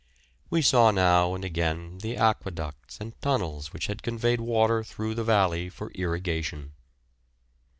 We saw now and again the aqueducts and tunnels which had conveyed water through the valley for irrigation.